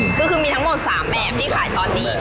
คือมีทั้งหมด๓แบบที่ขายตอนนี้